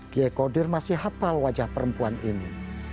kiai kodir masih hafal wajah perempuan ini